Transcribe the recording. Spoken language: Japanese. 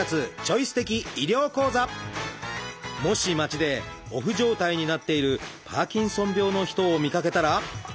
もし街でオフ状態になっているパーキンソン病の人を見かけたら。